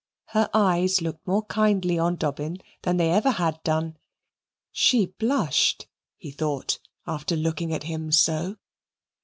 Her eyes looked more kindly on Dobbin than they ever had done. She blushed, he thought, after looking at him so.